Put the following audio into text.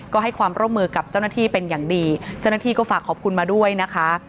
ก็ให้ความร่วมมือกับเจ้าหน้าที่เป็นอย่างดีเจ้าหน้าที่ก็ฝากขอบคุณมาด้วยนะคะ